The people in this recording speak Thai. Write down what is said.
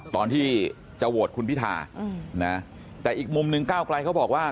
ตอนที่จะโหวตคุณพิธานะแต่อีกมุมหนึ่งก้าวไกลเขาบอกว่า